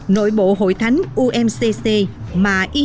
nội dung của hội thánh tin lành đấng cris việt nam bị phá sản